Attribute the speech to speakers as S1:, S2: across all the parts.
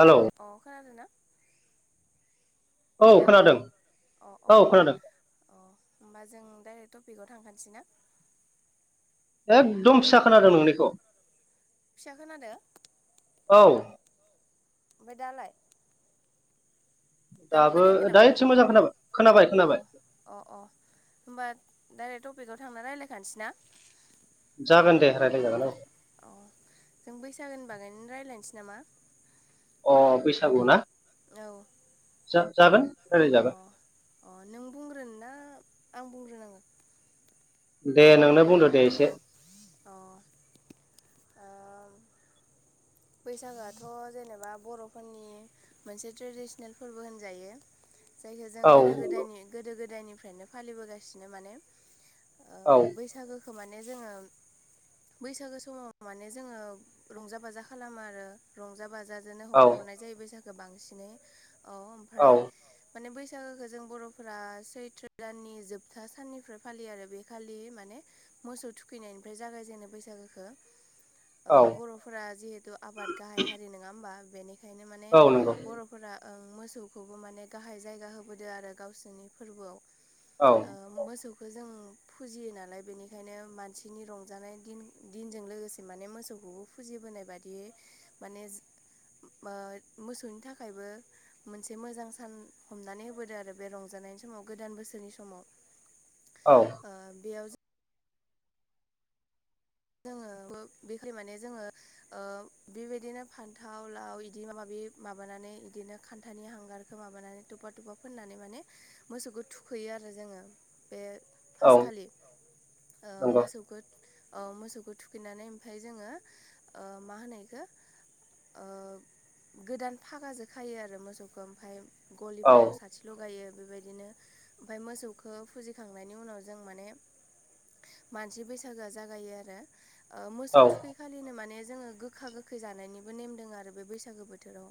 S1: हेल'
S2: अ खोनादों ना?
S1: औ
S2: हेल' अ
S1: खोनादों
S2: अ।
S1: औ
S2: अ
S1: खोनादों
S2: होमबा जों डाइरेक्ट टपिकआव थांखानोसै ना?
S1: एकदम फिसा
S2: हेलौ
S1: खोनादों नोंनिखौ
S2: फिसा खोनादो
S1: औ।
S2: ओमफ्राय दालाय?
S1: दाबो
S2: खोनायाखै
S1: दा
S2: नामा
S1: एसे मोजां खोनाबाय खोनाबाय
S2: अ
S1: खोनाबाय।
S2: अ अ होमबा डाइरेक्ट टपिकआव थांना रायज्लायखानोसै ना?
S1: जागोन दे रायज्लाय जागोन औ।
S2: अ जों बैसागोनि बागैनो रायज्लायनोसै नामा?
S1: अ बैसागु ना?
S2: औ।
S1: जा - जागोन।
S2: अ
S1: रायज्लायजागोन
S2: अ नों बुंग्रोन ना आं बुंग्रोनांगौ?
S1: दे नोंनो बुंदो दे एसे।
S2: अ ओ- बैसागोआथ' जेनेबा बर'फोरनि मोनसे ट्रेडिसनेल फोरबो होनजायो। जायखो जों
S1: औ
S2: गोदो गोदायनि गोदो गोदायनिफ्रायनो फालिबोगासिनो माने ओ बैसागोखो खो - माने जोङो बैसागो समाव माने जोङो रंजा बाजा खो खालामो आरो रंजा बाजाजोंनो
S1: औ
S2: हगार हरनाय जायो बैसागोखो बांसिनै औ ओमफ्राय
S1: औ
S2: माने बैसागोखौ जों बर'फोरा सैथ्र दाननि जोबथा साननिफ्राय फालियो आरो बे खालि माने मोसौ थुखैनायनिफ्राय जागाय जेननो बैसागोखौ।
S1: औ
S2: बर'फोरा जिहेथु आबाद गाहाय हारि नङा होमबा? बेनिखायनो माने
S1: औ नंगौ
S2: बर फोरा मोसौखौबो माने गाहाय जायगा होबोदों आरो गावसोरनि फोरबोआव
S1: औ
S2: मोसौखौ जों फुजियो नालाय बेनिखायनो मानसिनि रंजानाय दिन दिनजों लोगोसे माने मोसौखौबो फुजिबोनाय बायदि माने ओ मोसौनि थाखायबो मोनसे मोजां सान हमनानै होबोदों आरो बे रंजानायनि समाव गोदान बोसोरनि समाव। [inaudible]
S1: औ
S2: ओ बेयाव जों जोङो बो- बेखै - माने जोङो बेबायदिनो फान्थाव लाव बिदि माबा माबि माबानानै बिदिनो खान्थानि हांगारखौ माबानानै तुप्पा तुप्पा फोननानै माने मोसौखौ थुखैयो आरो जोङो बे
S1: औ
S2: फार्स्ट खालि ओ
S1: नंगौ
S2: मोसौखौ मोसौखौ थुखैनानै ओमफ्राय जोङो मा होनो इखौ ओ गोदान फागाजों खायो आरो मोसौखौ ओमफ्राय
S1: औ
S2: गलिफोराव साथि लगायो बेबायदिनो ओमफाय मोसौखौ फुजिखांनायनि उनाव जों माने मानसि बैसागोआ जागायो आरो ओ मोसौ
S1: औ
S2: थुखै खालिनो माने जोङो गोखा-गोखै जानायनिबो नेम दङ आरो बे बैसागो बोथोराव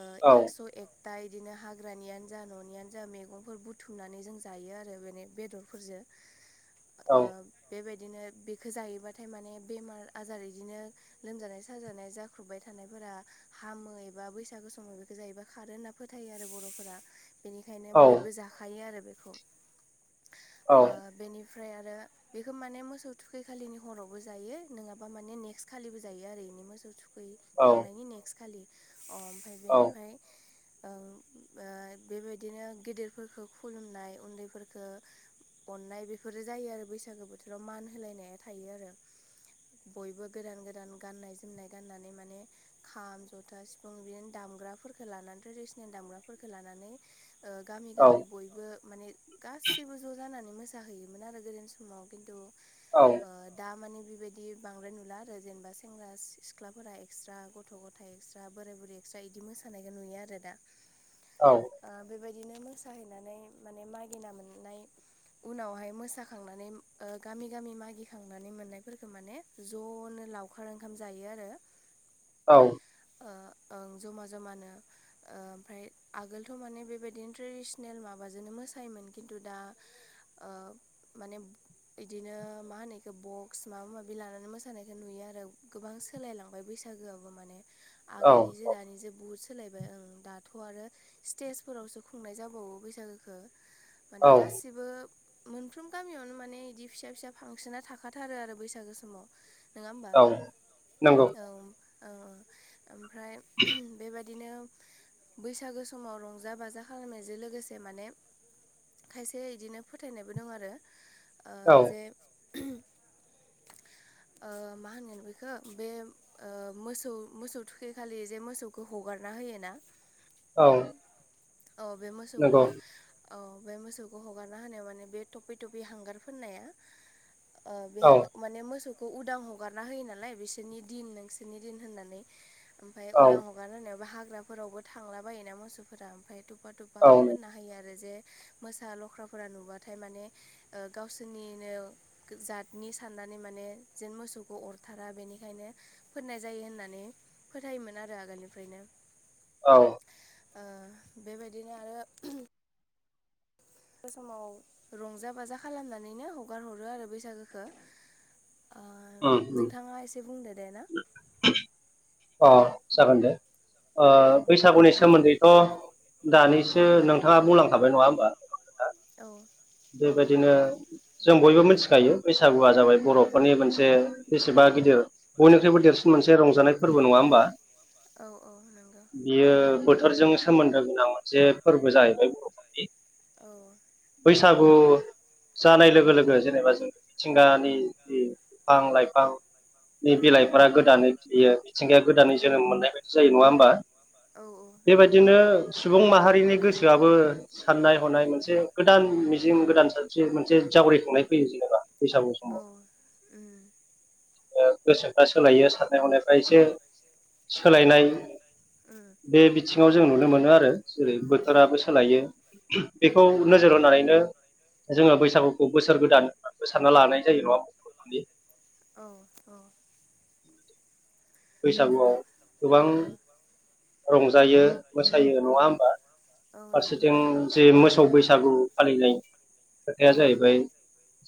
S2: ओ
S1: औ
S2: एस' ए क्था इदिनो हाग्रानियानो जा न'नियानो जा मैगंफोर बुथुमनानै जों जायो आरो बे बेदरफोरजों
S1: औ
S2: ओ बेबायदिनो बेखो जायोबाथाय माने बेमार आजार इदिनो लोमजानाय-साजानाया जाख्रुबबाय थानायफोरा हामो एबा बैसागु समाव बेखौ जायोबा खारो होनना फोथायो आरो बर'फोरा। बेनिखायनो
S1: औ
S2: बयबो जाखायो आरो बेखौ
S1: औ
S2: ओ बेनि फ्राय आरो बेखौ माने मोसौ थुखैखालिनि हरावबो जायो नोङाबा माने नेक्स्थ खालिबो जायो आरो इनि मोसौ थुखै
S1: औ
S2: खांनायनि नेक्स्ट खालि ओ ओमफाय बेनिफ्राय ओ ओ बेबायदिनो गेदेरफोरखो खुलुमनाय उन्दैफोरफोरखो अननाय बेफोरो जायो आरो बैसागो बोथोराव मान होलायनाया थायो आरो बयबो गोदान गोदान गाननाय-जोमनाय गाननानै माने खाम, जथा, सिफुं बिदिनो दामग्राफोरखौ लानानै ट्रेडिसनेल दामग्राफोरखौ लानानै ओ गामि गामि बय बो माने गासैबो ज' जानानै मोसाहैयोमोन आरो गोदोनि समाव खिन्थु
S1: औ
S2: ओ दा मानि बिबायदि बांद्राय नुला आरो जेनेबा सेंग्रा-सिख्लाफोरा एक्सट्रा ग' थ'-गथाइ एक्सट्रा बोराय-बुरै एक्स्रा इदि मोसानायखौ नुयो आरो दा।
S1: औ
S2: ओ बेबायदिनो मोसाहैनानै माने मागिना मोननाय उनावहाय मोसाखांनानै ओ गामि गामि मागि खांनानै मोननायफोरखौ माने ज'नो लावखार ओंखाम जायो आरो
S1: औ
S2: ओ ओं ज'मा ज'मानो ओ ओमफाय आगोलथ' माने बेबायदिनो ट्रेडिसनेल माबाजोंनो मोसायोमोन खिन्थु दा ओ माने बिदिनो मा होनो एखौ बक्स माबा माबि लानानै मोसानायखौ नुयो आरो गोबां सोलायलांबाय बैसागोआबो माने आगोलनि
S1: औ
S2: जों दानि ओं बु सुंद सोलायबाय ओं दाथ' आरो स्टेजफोरावसो खुंनाय जाबावो बैसागोखो माने
S1: औ
S2: गासिबो मोनफ्रोम गामियावनो माने बिदि फिसा फिसा फांसना थाखाथारो आरो बैसागो समाव नोङा होमबा?
S1: औ नंगौ
S2: औ औ औ ओमफ्राय बेबाय दिनो बैसागो समाव रंजा-बाजा खालामनायजों लोगोसे माने खायसे इदिनो फोथायनायबो दं आरो ओ
S1: औ
S2: जे ओ मा होनगोन बेखौ बे ओ मोसौ मोसौ थुखै खालि जे मोसौखौ हगारना होयो ना
S1: औ
S2: औ बे
S1: नंगौ
S2: मोसौखौ औ बे मोसौखौ हगारना होनायाव माने बे थफै थफै हांगार फोननाया ओ बे
S1: औ
S2: हांगा माने मोसौखौ उदां हगारना होयो नालाय बिसोरनि दिन नोंसोरनि दिन होननानै ओमफाय उदां
S1: औ
S2: हगार होनायावबो हाग्राफोरावबो थांला बायो ना मोसौफोरा ओमफाय थफा थु
S1: औ
S2: फाखो फोनना होयो आरो जे मोसा लख्राफोरा नुबाथाय माने ओ गावसोरनिनो जातनि साननानै माने जेन मोसौखौ अरथारा। बेनिखायनो फोननाय जायो होननानै फोथायोमोन आरो आगोलनिफ्रायनो
S1: औ
S2: ओ बेबायदिनो आरो [unintelligible] समाव रंजा बाजा खालामनानैनो हगार हरो आरो बैसागोखो। ओ
S1: उम उम
S2: नोंथाङा एसे बुंदो दे ना।
S1: अ जागोन दे ओ
S2: औ
S1: बैसागुनि सोमोन्दैथ' दानिसो
S2: उम
S1: नों थाङा बुंलांखाबाय नङा होमबा?
S2: औ। औ
S1: बेबायदिनो जों बयबो मिथिखायो बैसागुआ जाबाय बर'फोरनि
S2: उम
S1: मोनसे बेसेबा गिदिर बयनिख्रुइबो देरसिन मोनसे रंजानाय फोरबो नङा होमबा?
S2: औ- औ नोंगो।
S1: बियो बोथोरजों सोमोन्दो गोनां मोनसे फोरबो जाहैबाय। बर'फोरनि
S2: औ।
S1: बैसागु जानाय लोगो - लोगो जेनेबा जों मिथिंगानि जि बिफां लाइफां नि
S2: उम
S1: बिलाइफोरा गोदानै खिलियो। मिथिंगाया गोदानै
S2: औ
S1: जोनोम मोननाय बायदि जायो नङा होमबा?
S2: औ नंगौ
S1: बेबायदिनो सुबुं माहारिनि गोसोआबो साननाय हनाय मोनसे गोदान मिजिं गोदान सानस्रि मोनसे जावरिखांनाय फैयो जेनेबा। बैसागु
S2: औ
S1: समाव
S2: उम
S1: ओ गोसोफ्रा सोलायो साननाय हनायफ्रा इसे सोलायनाय
S2: ओम।
S1: बे बिथिङाव जों नुनो मोनो आरो जेरै
S2: औ
S1: बोथोराबो सोलायो
S2: उम
S1: बेखौ
S2: उम
S1: नोजोर होनानैनो जोङो बैसागुखौ बोसोर गोदान होनाबो सानना लानाय जायो नङा होनबा [unintelligible]
S2: औ - औ‌।
S1: बैसागुआव
S2: नंगौ
S1: गोबां
S2: ओ
S1: रंजायो मोसायो नङा होमबा?
S2: औ नंगौ
S1: फारसेथिं जे मोसौ बैसागु फालिनाय खोथाया
S2: ओं
S1: जाहैबाय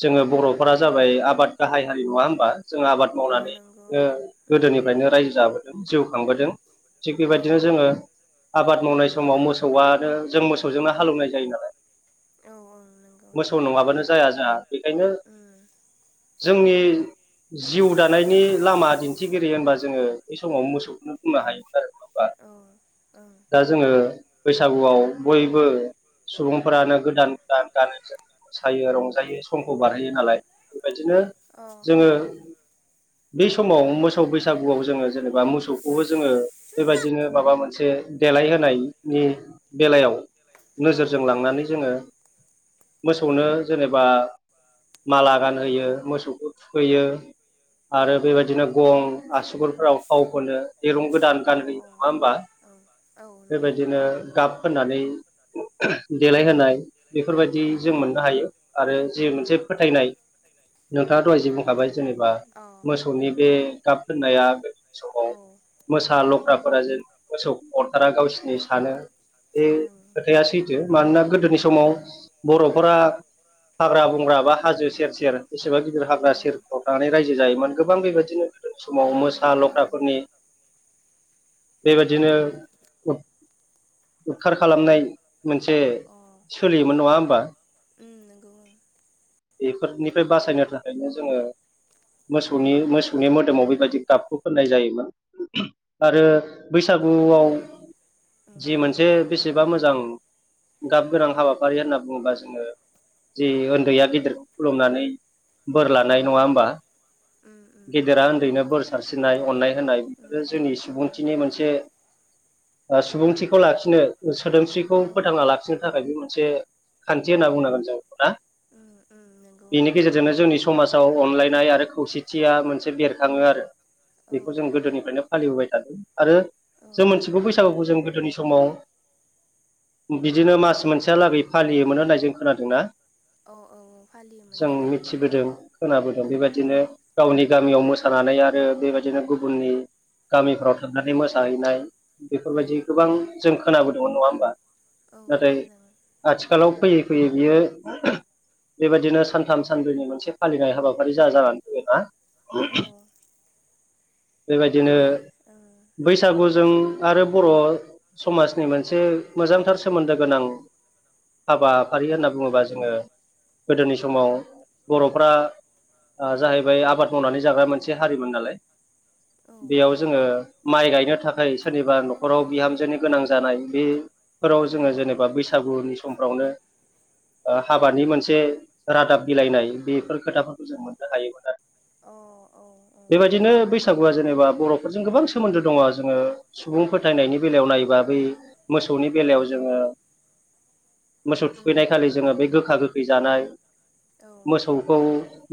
S1: जोङो बर'फोरा जाबाय आबाद गाहाय हारि नङा होमबा? जों आबाद
S2: औ
S1: मावनानै
S2: नंगौ
S1: नो
S2: ओं उम नंगौ
S1: गोदोनिफ्रायनो रायजो जाबोदों जिउ खांबोदों। थिग
S2: औ
S1: बेबायदिनो जोङो आबाद मावनाय समाव मोसौआनो जों मोसौजोंनो हाल एवनाय जायो नालाय।
S2: औ - औ नोंगौ।
S1: मोसौ नङाबानो जाया जोङा बेखायनो
S2: ओ।
S1: जोंनि जिउ दानायनि लामा दिन्थिगिरि होनबा जोङो बि समाव मोसौखौनो बुंनो हायो आरो। होमबा
S2: औ ओं।
S1: दा जोङो बैसागुआव बयबो सुबुंफोरानो गोदान - गोदान गानो जोम सायो रंजायो समखौ बारहोयो नालाय। बेबायदिनो
S2: अ औ
S1: जोङो बै समाव मोसौ बैसागुआव जोङो जेने बा मोसौखौबो जोङो नो माबा मोनसे देलायहोनाय नि बेलायाव
S2: अ औ
S1: नोजोरजों लांनानै जोङो मोसौनो जेनेबा माला
S2: अ
S1: गानहोयो मोसौखौ थुखैयो
S2: अ
S1: आरो बेबायदिनो गं आसुगुरफोराव थाव फोनो दिरुं गोदान गानहोयो नङा
S2: ओं
S1: होमबा
S2: ओं औ नंगौ
S1: बेबायदिनो गाब फोननानै देलायहोनाय बेफोरबायदि जों
S2: उम
S1: मोननो हायो आरो जि मोनसे फोथायनाय नोंथाङा दहाय जे बुं हाबाय जेनेबा
S2: औ
S1: मोसौनि बे
S2: उम
S1: गाब दोननाया [unintelligible] समाव
S2: औ
S1: मोसा
S2: उम
S1: लख ख्रा फोरा जे मोसौखौ अरथारा गावसिनि सानो बे
S2: ओं
S1: खोथाया सैथो मानोना गोदोनि
S2: औ
S1: समाव बर'फोरा हाग्रा बंग्रा बा हाजो सेर - सेर बेसेबा गिदिर
S2: औ
S1: हाग्रा सेरफ्राव थानानै रायजो जायोमोन गोबां बेबायदिनो गोदो
S2: औ
S1: समाव
S2: ओं
S1: मोसा
S2: नंगौ
S1: लख्राफोरनि बेबायदिनो
S2: ओं
S1: उखार खालामनाय मोनसे
S2: अ
S1: सोलियोमोन नङा होमबा?
S2: उम नंगौ
S1: बेफोरनिफ्राय बासायनो थाखायनो जोङो मोसौनि मोसौनि मोदोमाव बेबायदि गाबखौ फोननाय जायोमोन। आरो बैसागुआव जि
S2: ओं
S1: मोनसे बेसेबा मोजां गाब गोनां हाबाफारि होनना बुङोबा जोङो जि उन्दैया गिदिरखौ खुलुमनानै बोर
S2: उम औ
S1: लानाय नङा होमबा
S2: उम उम
S1: गेदेरा उन्दैनो बोर सारस्रिनाय अननाय होनाय
S2: उम
S1: बे जोंनि
S2: उम
S1: सुबुंथिनि मोनसे सुबुंथिखौ लाखिनो सोदोमस्रिखौ
S2: औ
S1: फोथांना लाखिनो थाखाय बे मोनसे खान्थि होनना बुंनांगोन जों बेखौ दा
S2: उम उम नंगौ
S1: बिनि गेजेरजोंनो जोंनि समाजाव अनलायनाय आरो खौसेथिया मोनसे बेरखाङो आरो बेखौ जों
S2: ओं
S1: गोदोनिफ्रायनो फालिबोबाय आरो
S2: औ
S1: जों मोनथिगौ बैसागुखौ जों गोदोनि समाव बिदिनो मास
S2: उम
S1: मोनसेहालागै फालियोमोन होननाय जों खोनादोंना
S2: औ औ फालियोमोन
S1: जों
S2: गोदो
S1: मिथिबोदों खोनाबोदों
S2: उम
S1: बेबायदिनो गावनि गामियाव मोसानानै आरो बेबायदिनो गुबुननि गामिफोराव
S2: उम
S1: थांनानै मोसाहैनाय
S2: औ
S1: बेफोरबायदि गोबां जों खोनाबोदोंमोन नङा होमबा
S2: औ
S1: नाथाय
S2: खोनादों
S1: आथिखालाव फैयै फैयै बियो बेबायदिनो सानथाम सानब्रैनि मोनसे फालिनाय हाबाफारि जा जानानै
S2: औ
S1: फैयोना
S2: माने ओ
S1: बैसागुजों आरो बर' समाजनि मोनसे मोजांथार सोमोन्दो गोनां हाबाफारि होनना बुङोबा जोङो गोदोनि समाव बर'फोरा ओ जाहैबाय आबाद मावनानै जाग्रा मोनसे हारिमोन नालाय
S2: औ
S1: बेयाव जोङो माइ गायनो थाखाय सोरनिबा न'खराव बिहामजोनो गोनां जानाय बे फोराव
S2: उम
S1: जोङो जेनेबा बैसागुनि समफ्रावनो हाबानि मोनसे रादाब बिलाइनाय बेफोर खोथाफोरखौ जों मोननो हायोमोन आरो।
S2: अ औ औ
S1: बेबायदिनो
S2: नंगौ
S1: बैसागुआ जेनेबा बर' जों गोबां सोमोन्दो दङ' जोङो सुबुं फोथायनायनि बेलायाव नायोबा बै मोसौनि बेलायाव
S2: उम
S1: जोङो मोसौ
S2: उम
S1: थुखैनायखालि जोङो बे गोखा गोखै जानाय
S2: औ
S1: मोसौखौ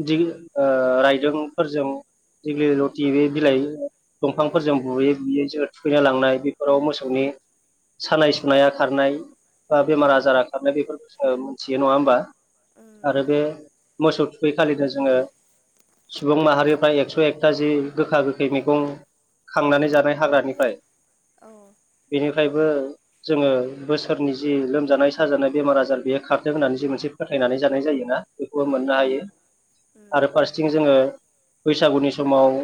S1: दि ओ रायदोंफोरजों देग्ललि लथि बे बिलाइ दंफांफोरजों बुयै बुयै जो थुखैना लांनाय बेफोराव मोसौनि
S2: ओं
S1: सानाय सुनाया खारनाय बा
S2: औ
S1: बेमार आजारा खारनाय बेफोरफोरखौसो मोनथियो नङा होमबा
S2: ओं
S1: आरो
S2: नंगौ
S1: बे मोसौ थुखै खालिनो जोङो सुबुं माहारिफ्रा एकस' एकथाजि गोखा गोखै मैगं खांनानै जानाय हाग्रानिफ्राय
S2: ओं औ
S1: बेनिफ्रायबो जोङो बोसोरनि जि लोमजानाय साजानाय बेमार आजार बेयो खारदों होननानै जि मोनसे फोथायनानै जानाय जायोना बेखौबो
S2: उम
S1: मोननो
S2: उम
S1: हायो
S2: उम
S1: आरो फारसेथिं जोङो बैसागुनि समाव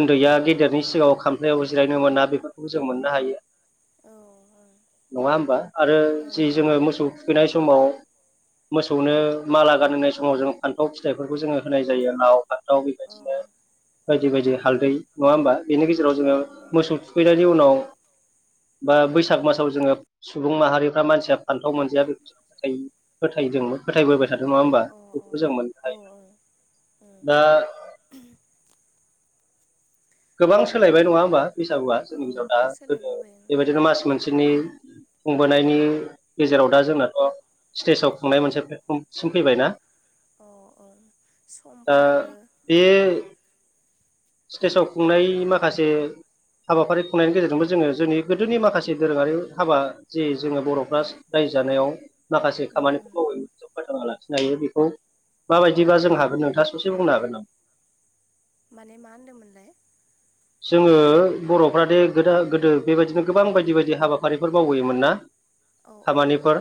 S1: उन्दैया गेद देरनि सिगाङाव खामफ्लायाव जिरायनो मोना बेफोरखौबो जों मोननो हायो
S2: अ अ
S1: नङा होमबा आरो जि जोङो मोसौ थुखैनाय समाव मोसौनो माला गानहोनाय समाव जों फान्थाव फिथाइफोरखौ जोङो होनाय जायो आव बा दाव
S2: ओं औ
S1: बेबायदिनो बायदि बायदि
S2: उम
S1: हालदै नङा होमबा। बेनि गेजेराव
S2: औ
S1: जोङो
S2: नंगौ
S1: मोसौ थुखैनायनि उनाव बा बैसाग मासाव जोङो सुबुं माहारिफ्रा मानसिया फान्थाव मोनजाया बेखौ जों फोथायो। फोथायदोंमोन फोथायबोबाय
S2: ओं
S1: थादों नङा होमबा।
S2: औ
S1: बेखौबो जों मोननो
S2: अ अ औ
S1: हायो।
S2: ओं उम
S1: दा गोबां
S2: अ
S1: सोलायबाय नङा होमबा बैसागुआ
S2: औ
S1: जोंनि हनाव दा गोदो
S2: सोलायबोबाय
S1: बेबायदिनो मास मोनसेनि खुंबोनायनि गेजेराव दा जोंनाथ' स्टेजाव खुंनाय मोनसे प्लेटफर्मसिम फैबाय ना।
S2: अ औ
S1: दा
S2: समफोराबो
S1: बे
S2: औ
S1: स्टेजाव खुंनाय माखासे हाबाफारि खुंनायनि गेजेरजोंबो जोङो जोंनि गोदोनि माखासे दोरोङारि हाबा जे जोङो बर'फ्रा
S2: उम
S1: रायजो जानायाव माखासे
S2: उम उम
S1: खामानिफोरखौ फोथांना लाखिनो हायो बेखौ माबायदिबा जों
S2: उम
S1: हागोन नोंथाङा ससे बुंनो हागोन नामा?
S2: माने मा होन्दोंमोनलाय?
S1: जोङो बर'फ्रा दे गोद गोदो बेबायदिनो गोबां बायदि बायदि हाबाफारिफोर मावबोमोन ना।
S2: [inaudible]
S1: खामानिफोर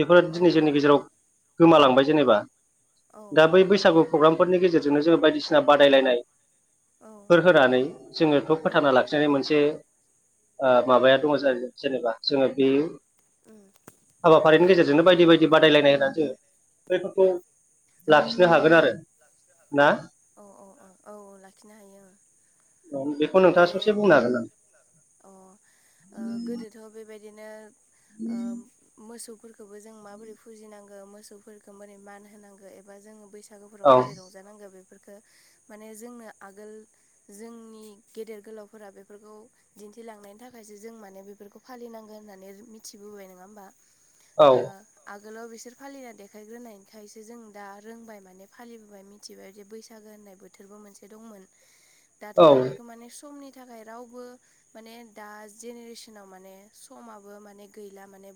S1: बेफोरो
S2: औ
S1: दिनै जोंनि गेजेराव गोमालांबाय जेनेबा।
S2: औ
S1: दा बै बैसागु प्रग्रामफोरनि गेजेरजोंनो जोङो बायदिसिना बादायलायनाय
S2: औ ओं
S1: फोर होनानै जोंङो बेखौ फोथांना लाखिनांगोन। थायनाय मोनसे ओ माबाया दङ जेनेबा जोंङो बे
S2: उम।
S1: हाबाफारिनि गेजेरजोंनो बायदि बायदि बादायलायनाय होननानै जोङो बैफोरखौ
S2: औ
S1: लाफिनो हागोन आरो ना?
S2: औ औ औ औ औ लाखिनो हायो ओं।
S1: [unintelligible]
S2: बे
S1: बुंनो हागोन
S2: अ ओ गोदोथ' बेबायदिनो ओम मोसौफोरखौबो जों माबोरै फुजिनांगो मोसौफोरखौ मोरै मान होनांगौ एबा जोङो बैसागु बैसागोफोराव
S1: नामा औ
S2: मारै रंजानांगो बेफोरफोरखो माने जोंनो आगोल जोंनि गेदेर गोलावफोरा बेफोरखौ दिन्थिलांनायनि थाखायसो जों माने बेफोरखौ फालिनांगोन होननानै मिथिबोबाय नङा होमबा। ओ
S1: औ
S2: आगोलाव बिसोर फालिना देखायग्रोनायखायसो जों दा रोंबाय माने फालिबोबाय मिथिबाय बैसागो होननाय बोथोरबो मोनसे दंमोन दाथ'
S1: औ
S2: बे माने समनि थाखाय रावबो माने दा जेनेरेसनाव माने समाबो माने गैला माने